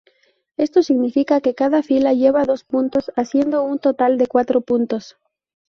Esto significa que cada fila lleva dos puntos, haciendo un total de cuatro puntos.